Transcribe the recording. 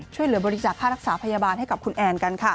ช่วยเหลือบริจาคค่ารักษาพยาบาลให้กับคุณแอนกันค่ะ